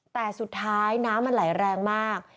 แต่สุดท้ายน้ำมันไหลแรงมาก